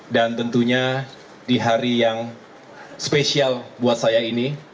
dan tentunya di hari yang spesial buat saya ini